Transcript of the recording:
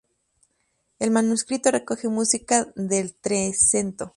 El manuscrito recoge música del Trecento.